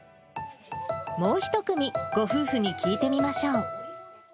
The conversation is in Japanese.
もう１組、ご夫婦に聞いてみましょう。